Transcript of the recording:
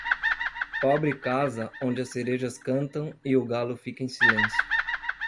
Pobre casa, onde as cerejas cantam e o galo fica em silêncio.